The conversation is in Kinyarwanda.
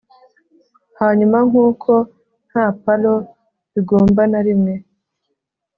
hanyuma, nkuko nta palo bigomba na rimwe,